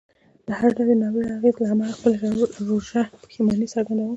د هر ډول ناوړه اغېز له امله خپله ژوره پښیماني څرګندوم.